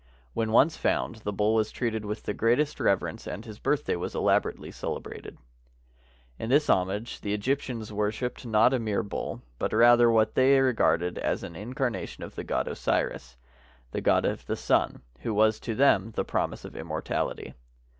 When once found, the bull was treated with the greatest reverence, and his birthday was elaborately celebrated. In this homage the Egyptians worshiped not a mere bull, but rather what they regarded as an incarnation of the god Osiris, the god of the sun, who was to them the promise of immortality.